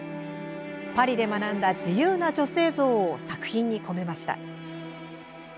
パリで学んだ自由な女性像を作品に込めました。